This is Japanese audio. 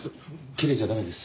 キレちゃ駄目です。